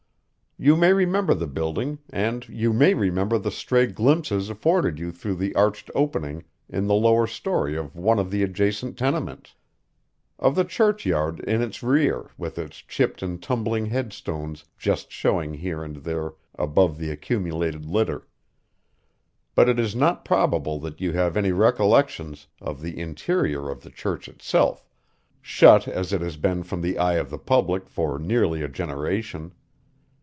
You may remember the building and you may remember the stray glimpses afforded you through the arched opening in the lower story of one of the adjacent tenements, of the churchyard in its rear with its chipped and tumbling headstones just showing here and there above the accumulated litter. But it is not probable that you have any recollections of the interior of the church itself, shut as it has been from the eye of the public for nearly a generation.